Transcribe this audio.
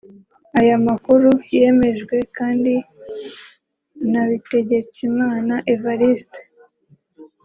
Aya makuru yemejwe kandi na Bitegetsimana Evariste